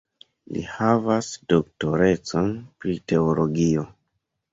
Li havas doktorecon pri teologio.